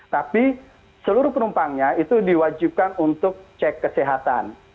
tapi seluruh penumpangnya itu diwajibkan untuk cek kesehatan